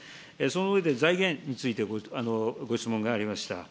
その上で財源についてご質問がありました。